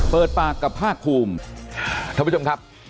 เปิดปากกับภาคภูมิท่านผู้ชมครับ